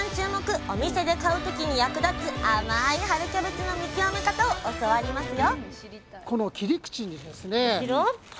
お店で買う時に役立つ甘い春キャベツの見極め方を教わりますよ！